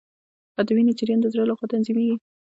د وینې جریان د زړه لخوا تنظیمیږي